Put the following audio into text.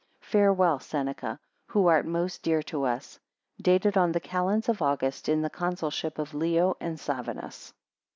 7 Farewell Seneca, who art most dear to us. Dated on the calends of August, in the Consulship of Leo and Savinus.